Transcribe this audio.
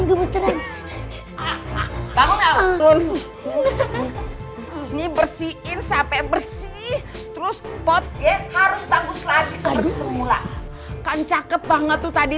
ini bersihin sampai bersih terus pot ya harus bagus lagi semula kan cakep banget tuh tadi